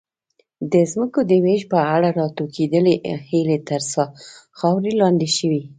د ځمکو د وېش په اړه راټوکېدلې هیلې تر خاورې لاندې شوې.